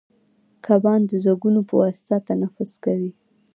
کبان د زګونو په واسطه تنفس کوي